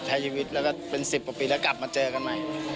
ใช้ชีวิตแล้วก็เป็น๑๐กว่าปีแล้วกลับมาเจอกันใหม่